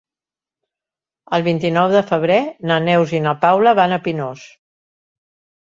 El vint-i-nou de febrer na Neus i na Paula van a Pinós.